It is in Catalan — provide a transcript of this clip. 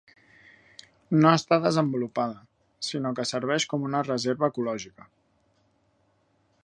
No està desenvolupada, sinó que serveix com una reserva ecològica.